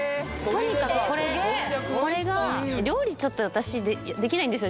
とにかくこれこれが料理ちょっと私できないんですよ